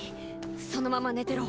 そのまま寝てろ。